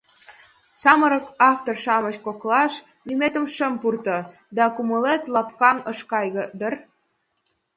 Самырык автор-шамыч коклаш лӱметым шым пурто, да кумылет лапкаҥ ыш кай дыр?